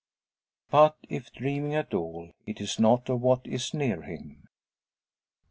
But if dreaming at all, it is not of what is near him.